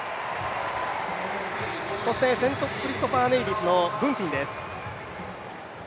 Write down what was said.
そして、セントクリストファー・ネビスのブンティンです。